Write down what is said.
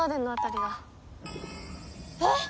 えっ！